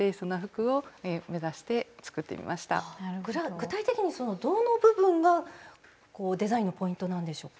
具体的にどの部分がデザインのポイントなんでしょうか。